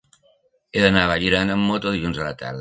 He d'anar a Vallirana amb moto dilluns a la tarda.